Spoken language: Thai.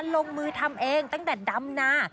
ลงมือทำเองตั้งแต่ดำนา